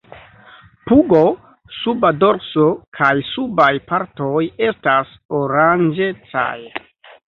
Pugo, suba dorso kaj subaj partoj estas oranĝecaj.